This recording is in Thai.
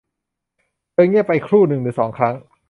เธอเงียบไปครู่หนึ่งหรือสองครั้ง